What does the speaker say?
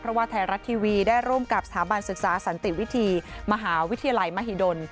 เพราะว่าไทยรัฐทีวีได้ร่วมกับสถาบันศึกษาสันติวิธีมหาวิทยาลัยมหิดล